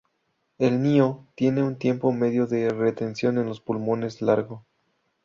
El NiO tiene un tiempo medio de retención en los pulmones largo.